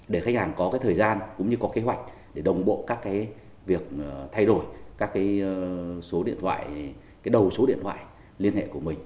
để khách hàng có thời gian cũng như có kế hoạch để đồng bộ các việc thay đổi các số điện thoại cái đầu số điện thoại liên hệ của mình